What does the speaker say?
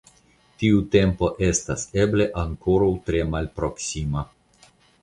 Tiu tempo estas eble ankoraŭ tre malproksima.